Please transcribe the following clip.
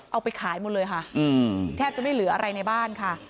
เอาไปขายหมดเลยค่ะแทบจะไม่เหลืออะไรในบ้านค่ะ